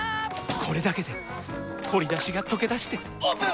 これだけで鶏だしがとけだしてオープン！